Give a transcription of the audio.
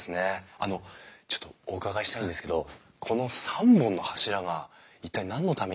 あのちょっとお伺いしたいんですけどこの３本の柱が一体何のためにあるかってご存じですか？